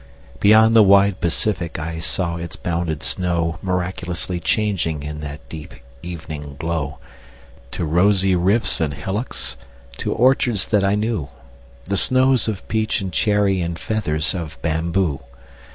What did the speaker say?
Beyond the wide Pacific I saw its mounded snow Miraculously changing In that deep evening glow, To rosy rifts and hillocks, To orchards that I knew, The snows or peach and cherry, And feathers of bamboo.